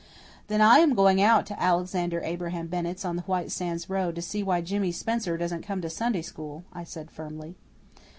"Then I am going out to Alexander Abraham Bennett's on the White Sands road to see why Jimmy Spencer doesn't come to Sunday school," I said firmly.